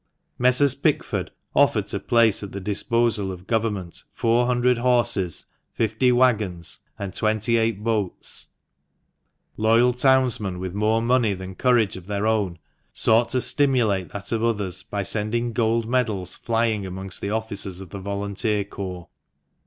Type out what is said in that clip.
Messrs. Pickford offered to place at the disposal of Government four hundred horses, fifty waggons, and twenty eight boats. Loyal townsmen, with more money than courage of their own, sought to 46 THE MANCHESTER MAN. stimulate that of others by sending gold medals flying amongst the officers of the volunteer corps.